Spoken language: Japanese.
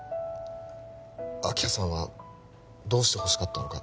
明葉さんはどうしてほしかったのか